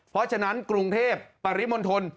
เพราะฉะนั้นกรุงเทพปริมณฑล